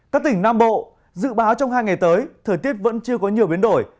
các tỉnh nam bộ dự báo trong hai ngày tới thời tiết vẫn chưa có nhiều biến đổi